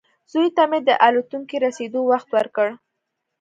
زوی ته مې د الوتکې رسېدو وخت ورکړ.